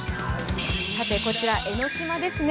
こちら江の島ですね。